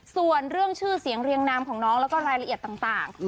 ส่วนเรื่องชื่อเสียงเรียงนามของน้องแล้วก็รายละเอียดต่าง